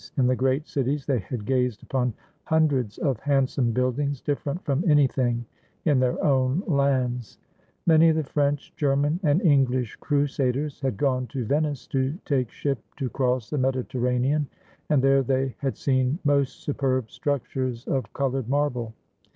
In the great cities they had gazed upon hundreds of handsome buildings different from anything in their own lands. Many of the French, German, and EngHsh crusaders had gone to Venice to take ship to cross the Mediterranean, and there they had seen most superb structures of colored marble.